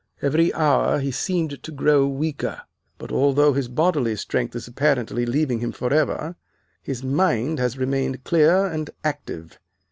Every hour he seemed to grow weaker; but although his bodily strength is apparently leaving him forever, his mind has remained clear and active.